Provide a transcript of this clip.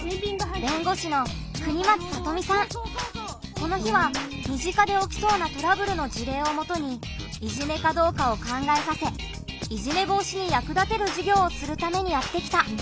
この日は身近でおきそうなトラブルの事例をもとにいじめかどうかを考えさせいじめ防止にやく立てる授業をするためにやって来た。